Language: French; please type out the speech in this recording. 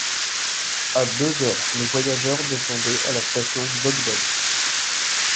À deux heures, les voyageurs descendaient à la station d’Ogden.